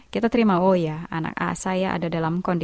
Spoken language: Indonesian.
kita terima oh ya anak saya ada dalam kondisi